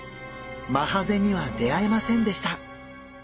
マハゼには出会えませんでした。